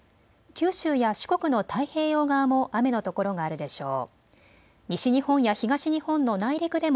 九州や四国の太平洋側も雨の所があるでしょう。